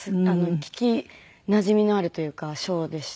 聞きなじみのあるというか賞でしたし。